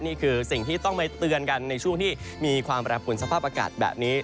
นี่คือสิ่งที่ต้องไปเตือนกันในช่วงที่มีความแปรผลสภาพอากาศแบบนี้